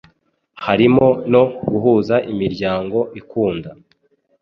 harimo no guhuza imiryango ikunda